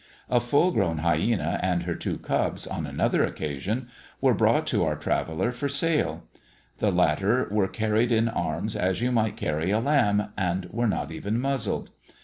A full grown hyæna and her two cubs, on another occasion, were brought to our traveller for sale; the latter were carried in arms, as you might carry a lamb, and were not even muzzled.